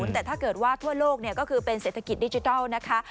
แต่ถ้าเกิดว่าทั่วโลกก็คือเป็นเศรษฐกิจดิจิทัลนะคะ